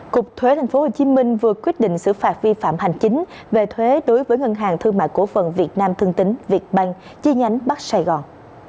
cục thuế tp hcm vừa quyết định xử phạt vi phạm hành chính về thuế đối với ngân hàng thương mại cổ phần việt nam thương tính việt ban chi nhánh bắc sài gòn